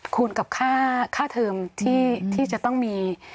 คูณกับค่าเทอมที่จะต้องมี